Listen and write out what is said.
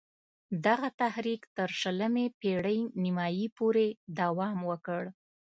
دغه تحریک تر شلمې پېړۍ نیمايی پوري دوام وکړ.